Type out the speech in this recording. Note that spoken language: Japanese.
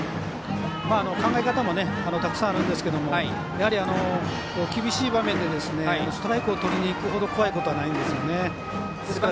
考え方もたくさんあるんですけれどもやはり厳しい場面でストライクをとりにいくほど怖いことはないんですよね。